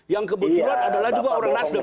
yang kebetulan adalah juga orang nasdem